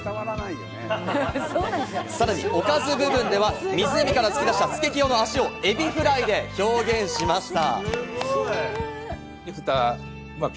さらに、おかず部分では湖から突き出したスケキヨの足をエビフライで表現しました。